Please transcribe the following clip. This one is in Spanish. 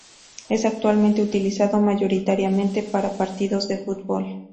Es actualmente utilizado mayoritariamente para partidos de fútbol.